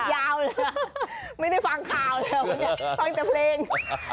ยาวเหรอไม่ได้ฟังข่าวเลยฟังแต่เพลง